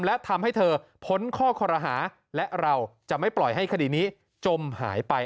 และทำให้เธอพ้นข้อคอรหาและเราจะไม่ปล่อยให้คดีนี้จมหายไป